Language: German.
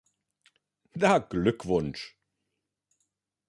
Na, Glückwunsch!